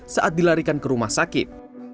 saat dilarikan ke rumah sakit